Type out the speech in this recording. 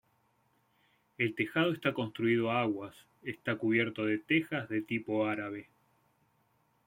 El tejado está construido a aguas, está cubierto de tejas de tipo árabe.